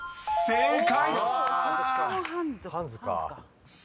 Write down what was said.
［正解！］